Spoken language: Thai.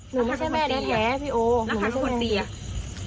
หนูไม่ใช่แม่แท้แท้พี่โอหนูไม่ใช่แม่แท้แล้วทางคนตีอ่ะ